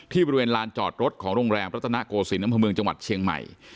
บริเวณลานจอดรถของโรงแรมรัตนโกศิลปอำเภอเมืองจังหวัดเชียงใหม่